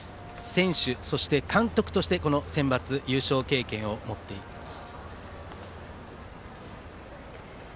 選手、そして監督としてセンバツ優勝経験を持っています。